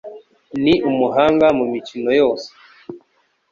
ni umuhanga mumikino yose.